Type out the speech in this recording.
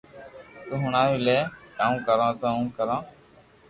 تو ھڻاٽو ني ڪاو ڪرو تو ھون ڪرو